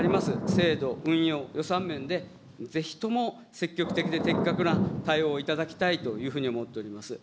制度、運用、予算面でぜひとも積極的で的確な対応をいただきたいというふうに思っております。